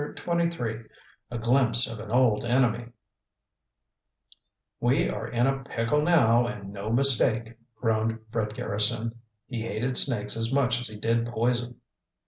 CHAPTER XXIII A GLIMPSE OF AN OLD ENEMY "We are in a pickle now and no mistake!" groaned Fred Garrison. He hated snakes as much as he did poison.